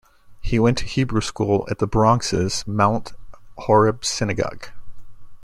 He went to Hebrew School at the Bronx's Mount Horeb Synagogue.